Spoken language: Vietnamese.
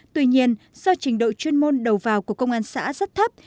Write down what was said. tuy nhiên do trình độ chuyên môn đầu vào của công an xã rất thấp